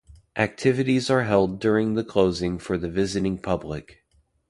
Activities are held during the closing for the visiting public.